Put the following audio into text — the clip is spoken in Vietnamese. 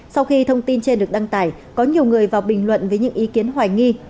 sau khi thông tin trên được đăng tải có nhiều người vào bình luận với những ý kiến hoài nghi